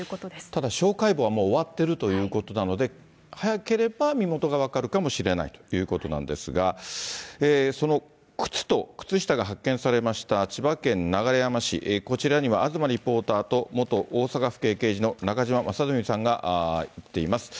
ただ、司法解剖は終わっているということなので、早ければ身元が分かるかもしれないということなんですが、その靴と靴下が発見されました、千葉県流山市、こちらには東リポーターと、元大阪府警刑事の中島正純さんが行っています。